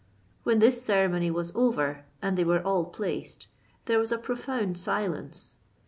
When this ceremony was over, and they were all placed, there was a profound silence.